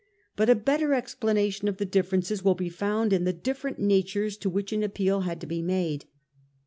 But a better explanation of the difference will be found in the different natures to which an appeal had to be made.